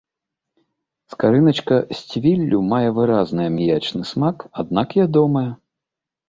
Скарыначка з цвіллю мае выразны аміячны смак, аднак ядомая.